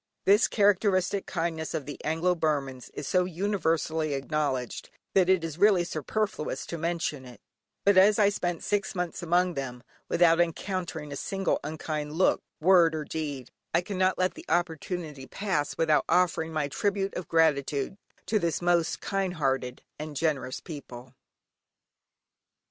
This characteristic kindness of the Anglo Burmans is so universally acknowledged, that it is really superfluous to mention it, but as I spent six months among them, without encountering a single unkind look, word, or deed, I cannot let the opportunity pass without offering my tribute of gratitude to this most kind hearted and generous people.